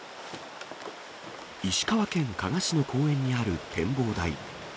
石川県加賀市の公園にある展望台。